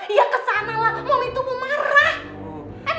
iya kesanalah momi itu mau marah